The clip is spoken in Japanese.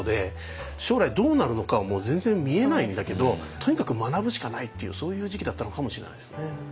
将来どうなるのかも全然見えないんだけどとにかく学ぶしかないっていうそういう時期だったのかもしれないですね。